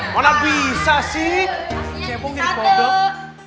malah bisa sih kecebong jadi kodok